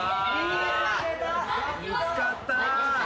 見つかった。